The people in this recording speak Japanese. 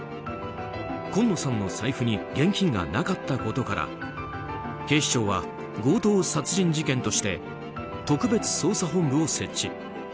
今野さんの財布に現金がなかったことから警視庁は強盗殺人事件として特別捜査本部を設置。